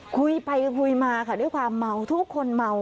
คุยไปคุยมาค่ะด้วยความเมาทุกคนเมา